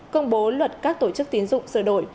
công bố luật các tổ chức tiến dụng sửa đổi